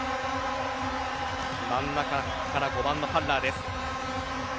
真ん中から５番のファッラーです。